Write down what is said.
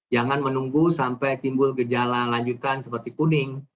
jangan menunggu sampai timbul gejala lanjutan seperti kuning